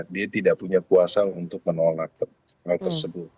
dia tidak punya kuasa untuk menolak hal tersebut